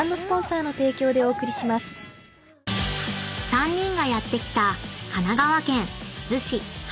［３人がやって来た］